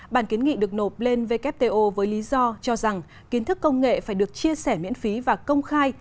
bản kiến nghị được nộp lên wto với lý do cho rằng kiến thức công nghệ phải được chia sẻ miễn phí